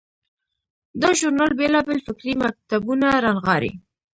دا ژورنال بیلابیل فکري مکتبونه رانغاړي.